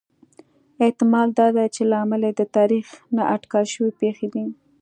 احتمال دا دی چې لامل یې د تاریخ نا اټکل شوې پېښې دي